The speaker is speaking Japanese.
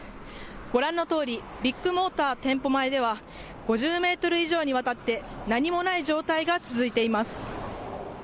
ご覧のとおりビッグモーター店舗前では５０メートル以上にわたって何もない状態が続いています。